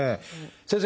先生